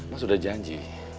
mas udah janji